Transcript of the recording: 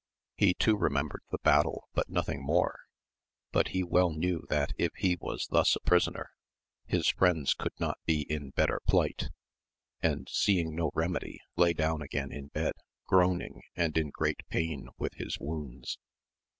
He too remem bered the battle but nothing more : but he well knew that if he was thus a prisoner, his friends could not be in better plight, and seeing no remedy, lay down again in bed, groaning 'and in great pain with his wounds.